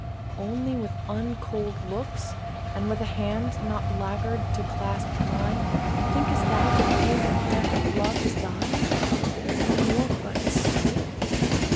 Only with uncold looks, And with a hand not laggard to clasp mine, Think'st thou to pay what debt of love is thine? No more but so?